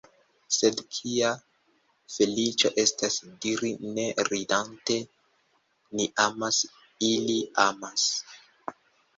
Sed kia feliĉo estas diri ne ridante: „Ni amas, ili amas.